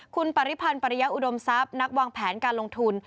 คุณปริพันธ์ปริยะอุดมทรัพย์นักวางแผนการลงทุน